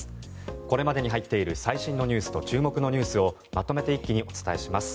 これまでに入っている最新ニュースと注目ニュースをまとめて一気にお伝えします。